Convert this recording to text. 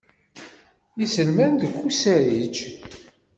Iselman deg usarij.